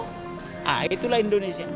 nah itulah indonesia